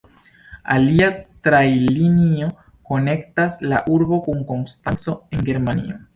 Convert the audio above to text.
Alia trajnlinio konektas la urbon kun Konstanco en Germanio.